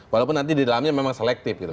walaupun nanti di dalamnya memang selektif gitu